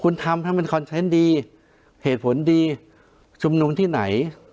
คุณทำให้มันคอนเทนต์ดีเหตุผลดีชุมนุมที่ไหน